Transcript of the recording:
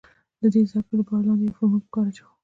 د دې د زده کړې له پاره لاندې يو فورمول په کار اچوو